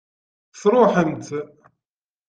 Tesṛuḥem-tt?